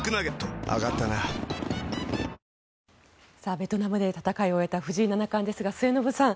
ベトナムで戦いを終えた藤井七冠ですが末延さん